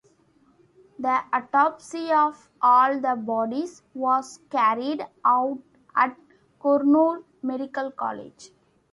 The autopsy of all the bodies was carried out at Kurnool Medical College.